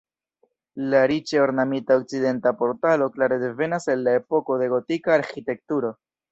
La riĉe ornamita okcidenta portalo klare devenas el la epoko de gotika arĥitekturo.